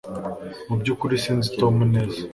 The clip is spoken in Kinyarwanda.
Mu byukuri sinzi Tom neza